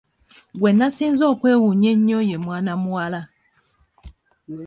Gwe nasinze okwewuunya ennyo ye mwana muwala.